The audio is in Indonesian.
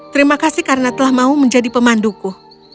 terima kasih karena telah mau menjadi pemanduku